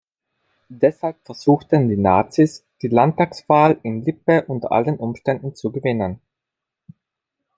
Deshalb versuchten die Nazis, die Landtagswahl in Lippe unter allen Umständen zu gewinnen.